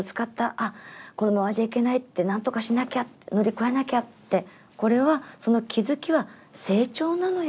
あっこのままじゃいけないなんとかしなきゃ乗り越えなきゃってこれはその気付きは成長なのよ」。